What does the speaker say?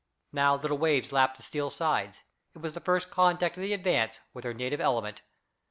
Now little waves lapped the steel sides. It was the first contact of the Advance with her native element.